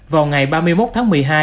vào ngày ba mươi một tháng một mươi hai